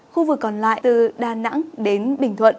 khu vực còn lại từ đà nẵng đến bình thuận